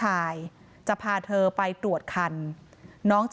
นายพิรายุนั่งอยู่ติดกันแบบนี้นะคะ